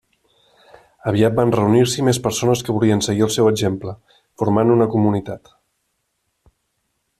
Aviat van reunir-s'hi més persones que volien seguir el seu exemple, formant una comunitat.